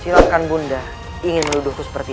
silakan bunda ingin meluduhku seperti